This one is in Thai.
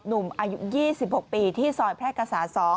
หนุ่มอายุ๒๖ปีที่ซอยแพร่กษา๒